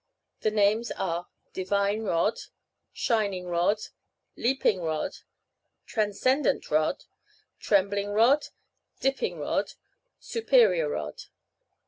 The names are: Divine Rod, Shining Rod, Leaping Rod, Transcendent Rod, Trembling Rod, Dipping Rod, Superior Rod.